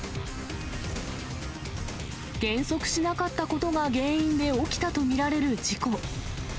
減速しなかったことが原因で起きたと見られる事故。